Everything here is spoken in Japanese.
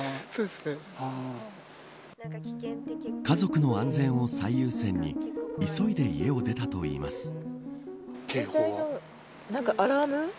家族の安全を最優先に急いで家を出たといいます。